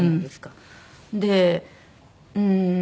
でうーん